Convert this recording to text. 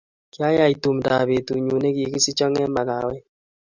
Kiayai tumdap betunyu nekikisicho eng makawet